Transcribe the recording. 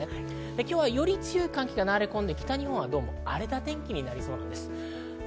今日は、より強い寒気が流れ込んで、北日本は荒れた天気になりそうです。